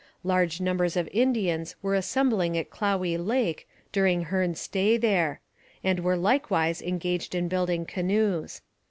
Large numbers of Indians were assembling at Clowey Lake during Hearne's stay there, and were likewise engaged in building canoes.